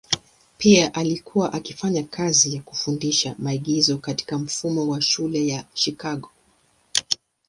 Pia alikuwa akifanya kazi ya kufundisha maigizo katika mfumo wa shule ya Chicago.